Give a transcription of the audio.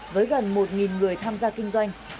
với gần một người tham gia kinh doanh